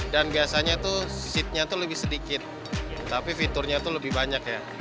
dan biasanya itu seat nya itu lebih sedikit tapi fiturnya itu lebih banyak ya